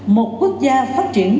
một quốc gia phát triển